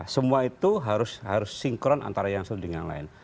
semua itu harus sinkron antara yang satu dengan yang lain